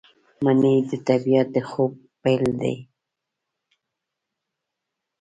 منی د طبیعت د خوب پیل دی